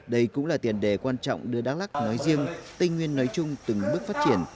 đây cũng là tiền đề quan trọng đưa đắk lắc nói riêng tây nguyên nói chung từng bước phát triển